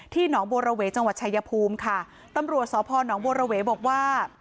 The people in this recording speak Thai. หนองบัวระเวจังหวัดชายภูมิค่ะตำรวจสพนบัวระเวบอกว่า